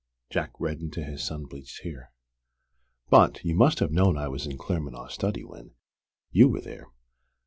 Jack reddened to his sun bleached hair. "But you must have known I was in Claremanagh's study when you were there."